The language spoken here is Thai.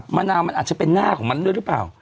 มะนาวมันอาจจะเป็นหน้าของมันด้วยหรือเปล่า